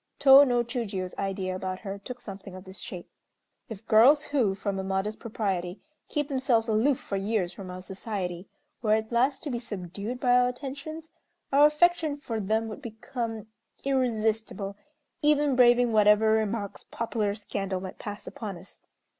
Tô no Chiûjiô's idea about her took something of this shape: "If girls who, from a modest propriety, keep themselves aloof for years from our society, were at last to be subdued by our attentions, our affection for them would become irresistible, even braving whatever remarks popular scandal might pass upon us.